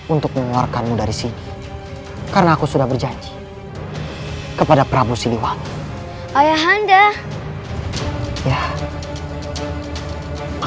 untuk mengeluarkanmu dari sini karena aku sudah berjanji kepada prabu siliwan ayah anda ya